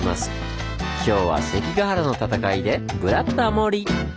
今日は関ケ原の戦いで「ブラタモリ」！